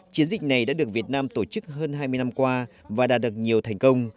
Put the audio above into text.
chiến dịch này đã được việt nam tổ chức hơn hai mươi năm qua và đạt được nhiều thành công